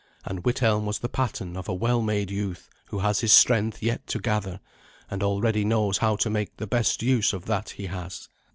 And Withelm was the pattern of a well made youth who has his strength yet to gather, and already knows how to make the best use of that he has.